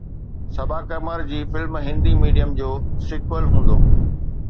صبا قمر جي film Hindi medium جو sequel هوندو